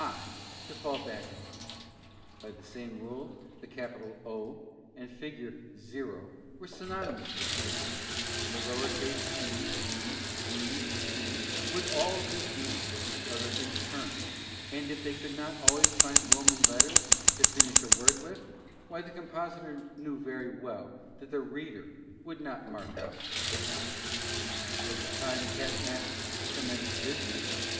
I to fall back upon; by the same rule, the cap. O and figure 0 were synonymous with "Jemmy;" the lower case p, b, d, and q, would all do duty for each other in turn, and if they could not always find roman letters to finish a word with, why the compositor knew very well that the "reader" would not mark out ita_lic_. At the time Catnach commenced business.